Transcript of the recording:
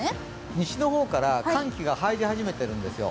西の方から寒気が入り始めてるんです。